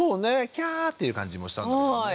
「きゃ！」っていう感じもしたんだけどもね。